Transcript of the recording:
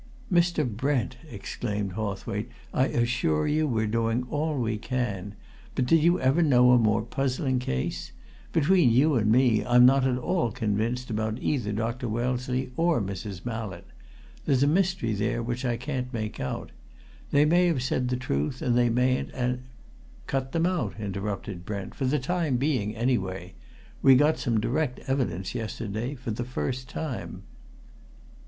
"Mr. Brent," exclaimed Hawthwaite, "I assure you we're doing all we can! But did you ever know a more puzzling case? Between you and me, I'm not at all convinced about either Dr. Wellesley or Mrs. Mallett there's a mystery there which I can't make out. They may have said truth, and they mayn't, and " "Cut them out," interrupted Brent. "For the time being anyway. We got some direct evidence yesterday for the first time."